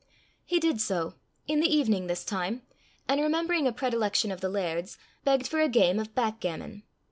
He did so, in the evening this time, and remembering a predilection of the laird's, begged for a game of backgammon.